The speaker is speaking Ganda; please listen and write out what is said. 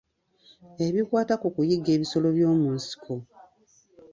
Ebikwata ku kuyigga ebisolo byomunsiko.